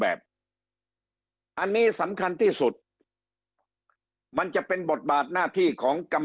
แบบนี้สำคัญที่สุดมันจะเป็นบทบาทหน้าที่ของกรรม